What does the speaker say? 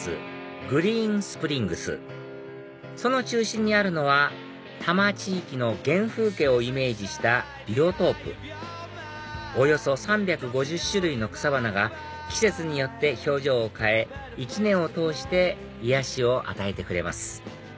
ＧＲＥＥＮＳＰＲＩＮＧＳその中心にあるのは多摩地域の原風景をイメージしたビオトープおよそ３５０種類の草花が季節によって表情を変え一年を通して癒やしを与えてくれます